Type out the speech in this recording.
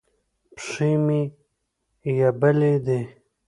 پښې مې یبلي